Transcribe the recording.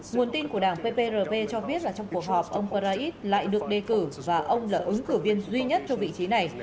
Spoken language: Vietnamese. nguồn tin của đảng pprp cho biết là trong cuộc họp ông parait lại được đề cử và ông là ứng cử viên duy nhất cho vị trí này